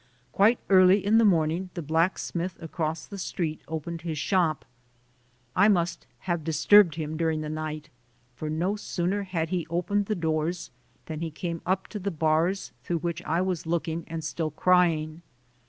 Quite early in the morning the black smith across the street opened his shop. I must have disturbed him during the night, for no sooner had he opened the doors than he came up to the bars through which I was looking and still crying.